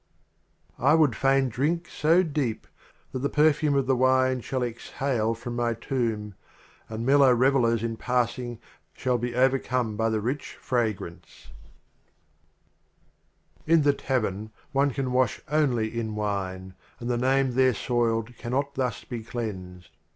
XCII. I would fain drink so deep That the Perfume of the Wine shall exhale from my Tomb, And mellow Revellers in passing Shall be overcome by the rich Fra grance. 81 XCIII. The Literal In the Tavern one can wash only Omar ^ yf^ And the Name there soiled cannot thus be cleansed.